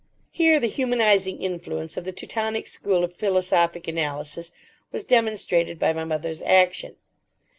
Here the humanising influence of the Teutonic school of philosophic analysis was demonstrated by my mother's action.